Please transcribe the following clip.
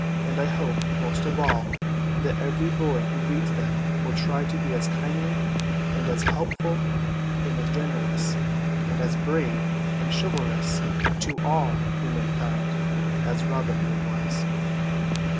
And I hope, most of all, that every boy who reads them will try to be as kindly and as helpful and as generous and as brave and chivalrous to all woman kind as Robin Hood was.